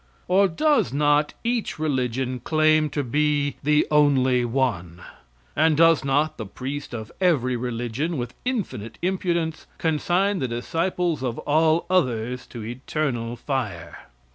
Or does not each religion claim to be the only one? And does not the priest of every religion, with infinite impudence, consign the disciples of all others to eternal fire?